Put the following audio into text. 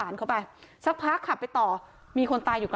นี่ค่ะ